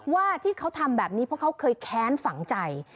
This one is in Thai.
ว่าที่เขาทำแบบนี้เพราะเขาเคยแค้นฝังใจ